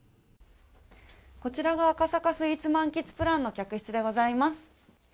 こちらが赤坂スイーツ満喫プランの客室でございます。